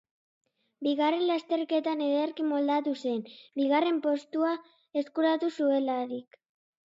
Bigarren lasterketan ederki moldatu zen, bigarren postua eskuratu zuelarik.